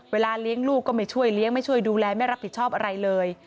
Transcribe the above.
เลี้ยงลูกก็ไม่ช่วยเลี้ยงไม่ช่วยดูแลไม่รับผิดชอบอะไรเลย